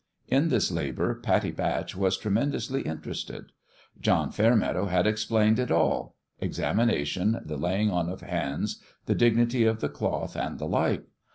In this labour Pattie Batch was tremendously in terested. John Fairmeadow had explained it all examination, the laying on of hands, the dignity of the cloth, and the like.